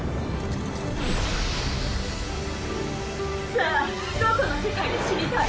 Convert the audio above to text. さあどこの世界で死にたい？